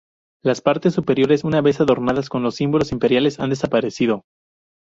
Las partes superiores una vez adornadas con los símbolos imperiales han desaparecido.